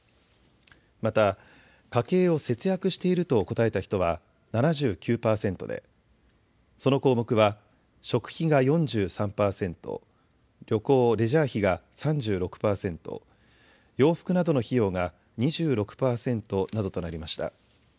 また家計を節約していると答えた人は７９％でその項目は食費が４３％、旅行・レジャー費が３６％、洋服などの費用が２６％などとなりました。